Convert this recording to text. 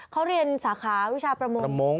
เขาเรียนสาขาวิชาประมงประมง